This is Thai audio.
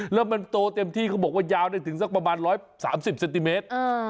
แล้วมันโตเต็มที่เขาบอกว่ายาวได้ถึงสักประมาณ๑๓๐เซนติเมตร